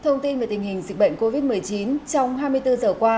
trong tình hình dịch bệnh covid một mươi chín trong hai mươi bốn giờ qua